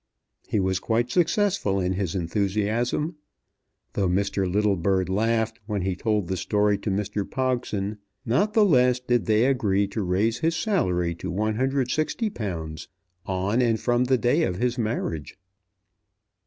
He was quite successful in his enthusiasm. Though Mr. Littlebird laughed when he told the story to Mr. Pogson, not the less did they agree to raise his salary to £160 on and from the day of his marriage.